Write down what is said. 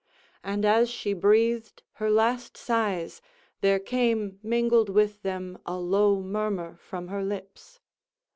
And as she breathed her last sighs, there came mingled with them a low murmur from her lips.